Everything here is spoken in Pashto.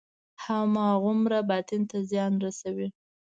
هماغومره باطن ته زیان رسوي.